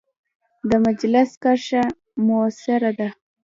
د مجلس کرښه مؤثره ده.